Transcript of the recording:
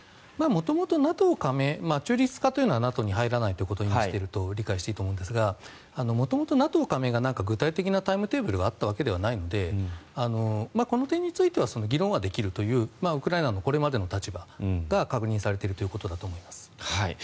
元々、ＮＡＴＯ加盟中立化というのはＮＡＴＯに入らないということを意味していると理解していいと思うんですが元々ＮＡＴＯ加盟が具体的なタイムテーブルがあったわけではないのでこの点については議論はできるというウクライナのこれまでの立場が確認されているということだと思います。